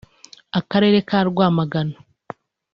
Akarere ka Rwamagana